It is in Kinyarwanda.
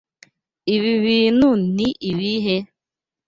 Ibi bintu ni ibihe?